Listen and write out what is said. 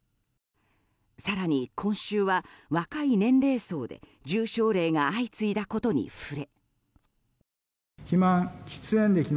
更に今週は、若い年齢層で重症例が相次いだことに触れ。